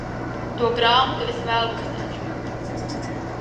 To grāmatu es vēlos taču.